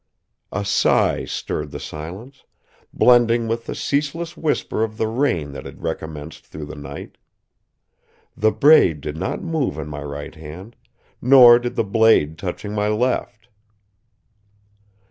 A sigh stirred the silence, blending with the ceaseless whisper of the rain that had recommenced through the night. The braid did not move in my right hand, nor did the blade touching my left.